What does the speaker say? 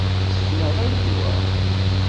Ssekneɣ-ak-d wa?